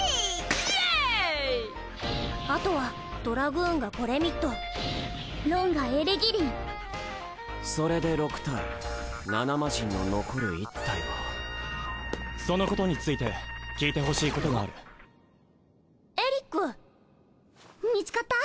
イエーイあとはドラグーンがゴレミッドロンがエレギリンそれで６体７マジンの残る１体はそのことについて聞いて欲しいことがあるエリック見つかった？